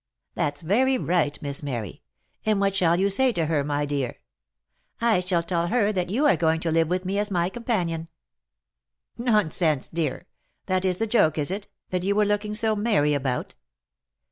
" That's very right, Miss Mary; and what shall you say to her, my dear ?"" I shall tell her that you are going to live with me as my com panion." " Nonsense, dear ! That is the joke, is it, that you were looking so merry about